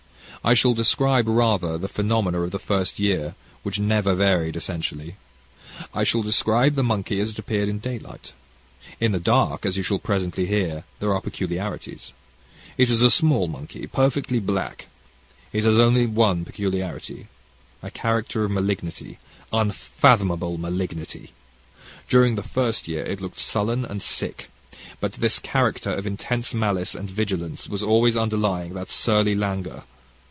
I shall describe, rather, the phenomena of the first year, which never varied, essentially. I shall describe the monkey as it appeared in daylight. In the dark, as you shall presently hear, there are peculiarities. It is a small monkey, perfectly black. It had only one peculiarity a character of malignity unfathomable malignity. During the first year it looked sullen and sick. But this character of intense malice and vigilance was always underlying that surly languor.